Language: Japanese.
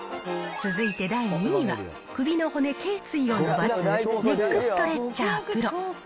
続いて第２位は、首の骨、けい椎を伸ばす、ネックストレッチャープロ。